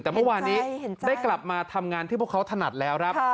แต่เมื่อวานนี้ได้กลับมาทำงานที่พวกเขาถนัดแล้วครับ